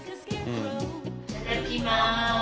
いただきます。